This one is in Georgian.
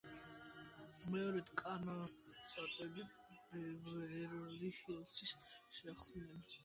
მეორედ კანდიდატები ბევერლი-ჰილზში შეხვდნენ.